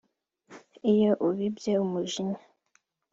Iyo ubibye umujinya